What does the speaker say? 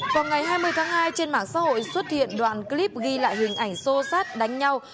vào ngày hai mươi tháng hai trên mạng xã hội xuất hiện đoạn clip ghi lại hình ảnh sô sát đánh nhau